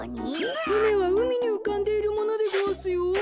ふねはうみにうかんでいるものでごわすよ。